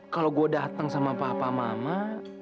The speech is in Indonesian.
kalau gue datang sama papa mama